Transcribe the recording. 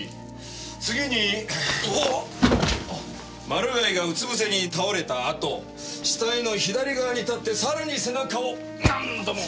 マルガイがうつ伏せに倒れたあと死体の左側に立ってさらに背中を何度も！